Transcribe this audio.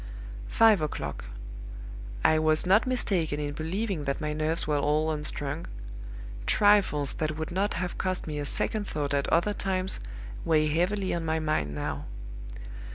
"Five o'clock. I was not mistaken in believing that my nerves were all unstrung. Trifles that would not have cost me a second thought at other times weigh heavily on my mind now.